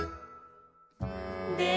で